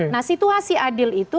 nah situasi adil itu